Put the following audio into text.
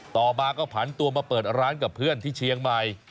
ต่อมาก็ผันตัวมาเปิดร้านกับเพื่อนที่เชียงใหม่